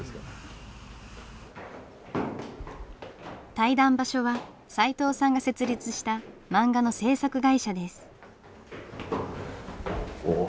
対談場所はさいとうさんが設立した漫画の制作会社です。